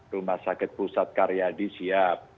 rumah sakit pusat karyadi siap